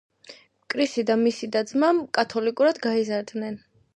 კრისი და მისი და-ძმა კათოლიკურად გაიზარდნენ.